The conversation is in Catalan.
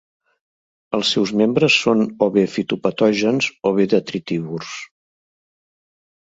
Els seus membres són o bé fitopatògens o bé detritívors.